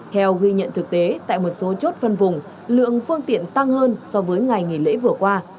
theo ghi nhận thực tế tại một số chốt phân vùng lượng phương tiện tăng hơn so với ngày nghỉ lễ vừa qua